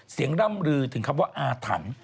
ร่ำลือถึงคำว่าอาถรรพ์